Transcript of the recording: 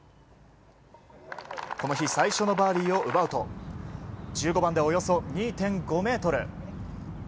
この日最初のバーディーを奪うと１５番では、およそ２．５ｍ。